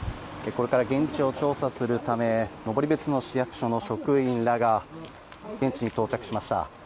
これから現地を調査するため登別の市役所の職員らが現地に到着しました。